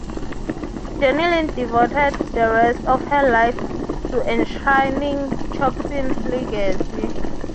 Jenny Lind devoted the rest of her life to enshrining Chopin's legacy.